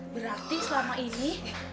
berarti selama ini